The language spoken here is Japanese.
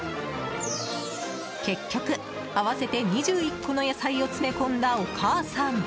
結局、合わせて２１個の野菜を詰め込んだお母さん。